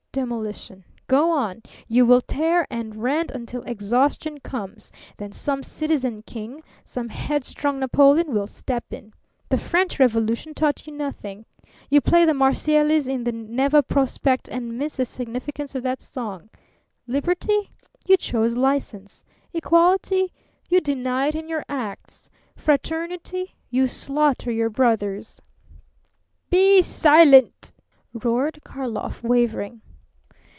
Demolition. Go on. You will tear and rend until exhaustion comes, then some citizen king, some headstrong Napoleon, will step in. The French Revolution taught you nothing. You play 'The Marseillaise' in the Neva Prospekt and miss the significance of that song. Liberty? You choose license. Equality? You deny it in your acts. Fraternity? You slaughter your brothers." "Be silent!" roared Karlov, wavering.